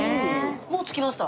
もう着きました。